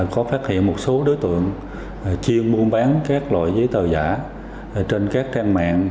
có phát hiện một số đối tượng chiên muôn bán các loại giấy tờ giả trên các trang mạng